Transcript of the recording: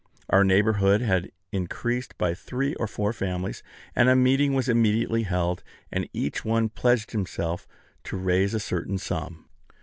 Our neighborhood had increased by three or four families; and a meeting was immediately held, and each one pledged himself to raise a certain sum.